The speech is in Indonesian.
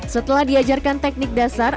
setelah diajarkan teknik dasar